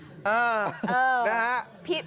อื้อนะฮะ